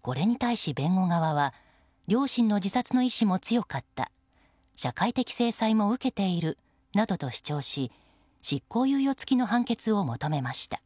これに対し、弁護側は両親の自殺の意思も強かった社会的制裁も受けているなどと主張し執行猶予付きの判決を求めました。